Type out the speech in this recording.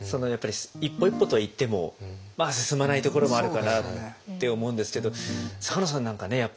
やっぱり一歩一歩といってもまあ進まないところもあるかなって思うんですけど坂野さんなんかね